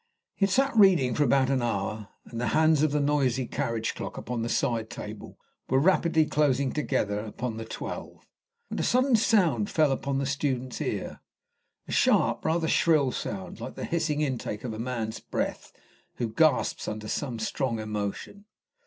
He had sat reading for about an hour, and the hands of the noisy carriage clock upon the side table were rapidly closing together upon the twelve, when a sudden sound fell upon the student's ear a sharp, rather shrill sound, like the hissing intake of a man's breath who gasps under some strong emotion.